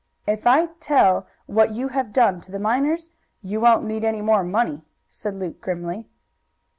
"If I tell what you have done to the miners you won't need any more money," said Luke grimly.